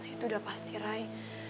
itu udah pasti rey